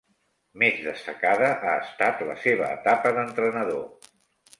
Més destacada ha estat la seva etapa d'entrenador.